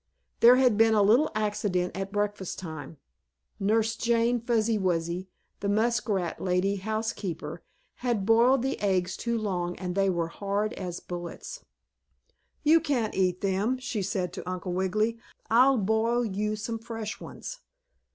There had been a little accident at breakfast time. Nurse Jane Fuzzy Wuzzy, the muskrat lady housekeeper, had boiled the eggs too long and they were as hard as bullets. "You can't eat them," she said to Uncle Wiggily. "I'll boil you some fresh ones."